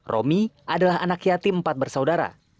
romi adalah anak yatim empat bersaudara